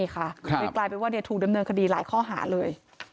กลายเป็นว่าถูกดำเนินคดีหลายข้อหาเลย